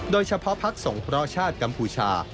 โดยเฉพาะภักษ์ส่งพระชาติกัมภูชา